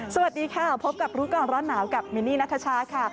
สวัสดีค่ะพบกับรู้ก่อนร้อนหนาวกับมินนี่นัทชาค่ะ